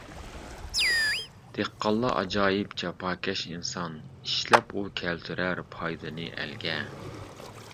دېھقانلار ئاجايىپ جاپاكەش ئىنسان، ئىشلەپ ئۇ كەلتۈرەر پايدىنى ئەلگە.